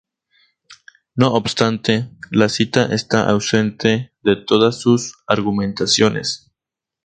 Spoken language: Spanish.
No obstante, la cita está ausente de todas sus argumentaciones.